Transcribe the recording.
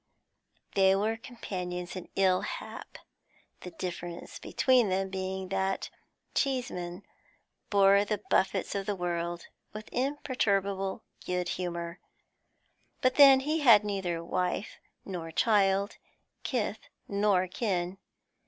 They were companions in ill hap, the difference between them being that Cheeseman bore the buffets of the world with imperturbable good humour; but then he had neither wife nor child, kith nor kin.